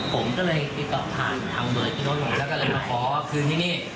ผมก็เลยติดต่อผ่านทางเบอร์คืนนู้น